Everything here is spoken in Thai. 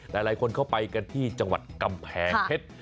หลายคนเข้าไปกันที่จังหวัดกำแพงเพชร